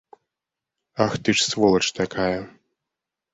Ах ты ж сволач такая!